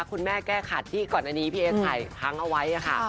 คุณแม่แก้ขัดที่ก่อนอันนี้พี่เอ๊ถ่ายค้างเอาไว้ค่ะ